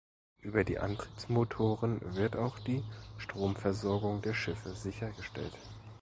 Über die Antriebsmotoren wird auch die Stromversorgung der Schiffe sichergestellt.